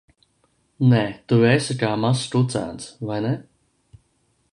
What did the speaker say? Nē, tu esi kā mazs kucēns, vai ne?